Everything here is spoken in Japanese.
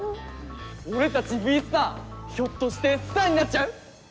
俺たち「Ｂｅ：ＳＴＡＲ」！ひょっとしてスターになっちゃう？